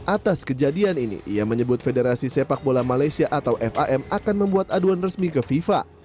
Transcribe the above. atas kejadian ini ia menyebut federasi sepak bola malaysia atau fam akan membuat aduan resmi ke fifa